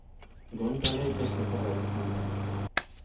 Goenkale beste zerbait izan zen.